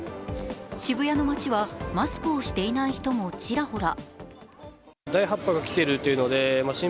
渋谷の町はマスクをしていない人もちらほら。